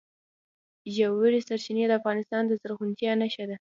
ژورې سرچینې د افغانستان د زرغونتیا نښه ده.